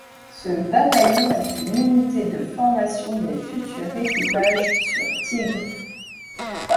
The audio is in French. Ce bataillon est une unité de formation des futurs équipages sur Tigre.